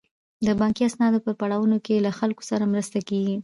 د بانکي اسنادو په پړاوونو کې له خلکو سره مرسته کیږي.